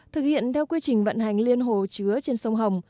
thực hiện theo quy trình vận hành liên hồ